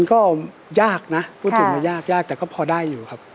ก็ยากนะพูดถึงว่ายากยากแต่ก็พอได้อยู่ครับ